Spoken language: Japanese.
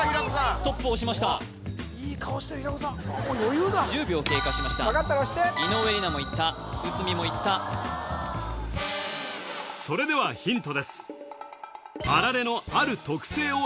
ストップを押しましたいい顔してる平子さんもう余裕だ１０秒経過しました分かったら押して井上梨名もいった内海もいったそれではヒントです